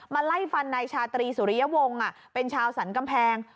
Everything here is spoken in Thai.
มาไล่ฟันในชาตรีสุริยะวงศ์อ่ะเป็นชาวสรรค์กำแพง